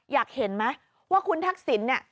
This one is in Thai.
อยากเห็นไหมว่าคุณทักษิณเนี่ย